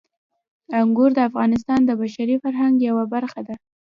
انګور د افغانستان د بشري فرهنګ یوه برخه ده.